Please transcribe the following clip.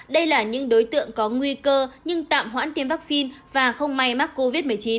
đây là những đối tượng có nguy cơ nhưng tạm hoãn tiêm vaccine và không may mắc covid một mươi chín